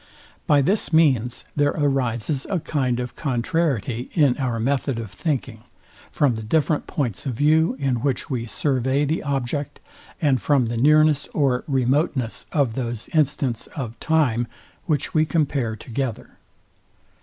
By this means there arises a kind of contrariety in our method of thinking, from the different points of view, in which we survey the object, and from the nearness or remoteness of those instants of time, which we compare together.